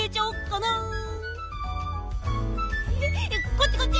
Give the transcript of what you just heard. こっちこっち！